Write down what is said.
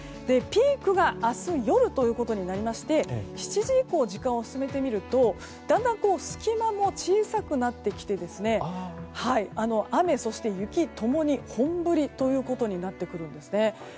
ピークが明日夜ということになりまして７時以降に時間を進めてみるとだんだん隙間も小さくなってきて雨、そして雪共に本降りになってくるんですね。